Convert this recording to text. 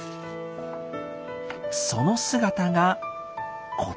その姿がこちら。